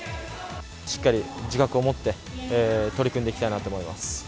しっかり自覚を持って、取り組んでいきたいなと思います。